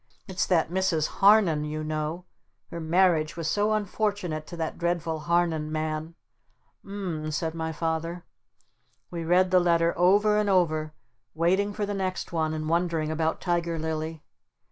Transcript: It's that Mrs. Harnon, you know. Her marriage was so unfortunate to that dreadful Harnon man." "U m m," said my Father. We read the letter over and over waiting for the next one and wondering about Tiger Lily.